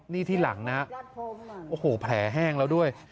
นี่ที่หลังนะโอ้โหแผลแห้งแล้วด้วย